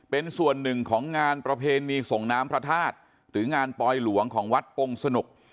เป็นส่วนหนึ่งของงานประเพณีส่งน้ำพระธาตุหรืองานปลอยหลวงของวัดปงสนุก